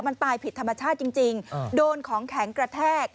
มันตายผิดธรรมชาติจริงโดนของแข็งกระแทก